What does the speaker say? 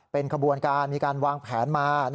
เป็นขบวนการมีการวางแผนมา